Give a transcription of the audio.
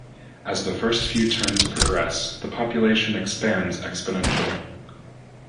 As the first few turns progress, the population expands exponentially.